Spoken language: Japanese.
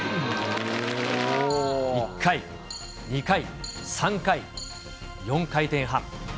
１回、２回、３回、４回転半。